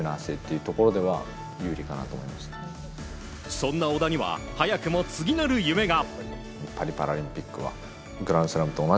そんな小田には早くも次なる夢が。